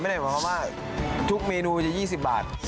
ไม่ได้บอกเขาว่าทุกเมนูจะ๒๐บาท